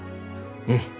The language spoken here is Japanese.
うん。